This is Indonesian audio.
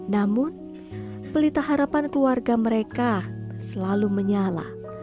namun pelita harapan keluarga mereka selalu menyala